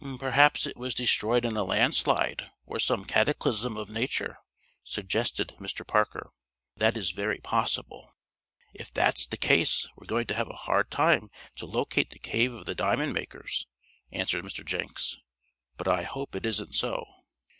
"Perhaps it was destroyed in a landslide, or some cataclysm of nature," suggested Mr. Parker. "That is very possible." "If that's the case we're going to have a hard time to locate the cave of the diamond makers," answered Mr. Jenks, "but I hope it isn't so."